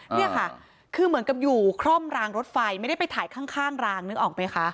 นี่ค่ะคือเหมือนกับอยู่คร่อมรางรถไฟไม่ได้ไปถ่ายข้างรางนึกออกไหมคะ